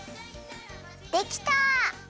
できた！